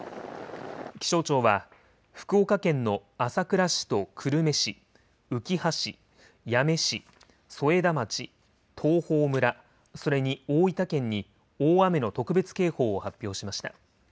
気象庁は、福岡県の朝倉市と久留米市、うきは市、八女市、添田町、東峰村、それに大分県に大雨の特別警報を発表しました。